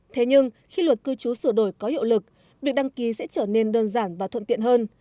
thế nhưng khi luật cư trú sửa đổi có hiệu lực việc đăng ký sẽ trở nên đơn giản và thuận tiện hơn